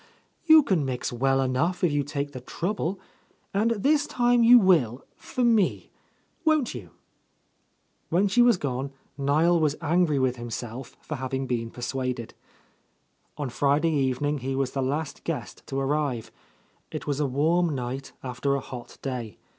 "You can mix well enough, if you take the trouble. And this time you will, for me. Won't you ?" When she was gone, Niel was angry with him self for having been persuaded. On Friday evening he was the last guest to ar rive. It was a warm night, after a hot day.